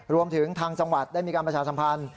รวมถึงทางจังหวัดได้มีการประชาสัมพันธ์